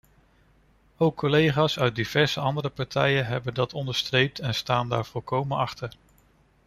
Ook collega's uit diverse andere partijen hebben dat onderstreept en staan daar volkomen achter.